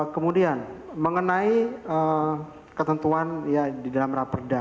kemudian mengenai ketentuan ya di dalam raperda